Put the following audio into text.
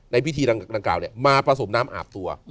พิธีดังกล่าวมาผสมน้ำอาบตัว